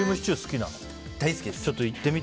大好きです。